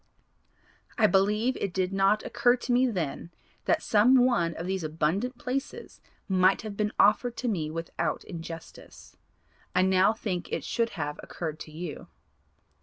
I believe it did not occur to me then that some one of these abundant places might have been offered to me without injustice. I now think it should have occurred to you.